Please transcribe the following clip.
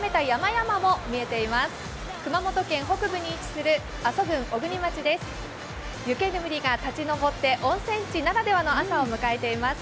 湯煙が立ち上って温泉地ならではの朝を迎えています。